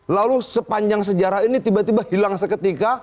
lalu sepanjang sejarah ini tiba tiba hilang seketika